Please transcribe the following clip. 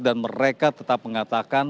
dan mereka tetap mengatakan